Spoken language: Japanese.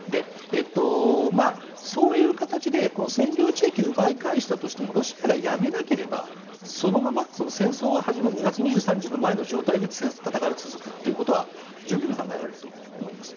そういう形で占領地域を奪い返したとしてもロシアがやめなければそのまま戦争が始まる２月２３日の前の状態で戦いが続くことは十分に考えられると思います。